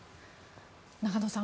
中野さん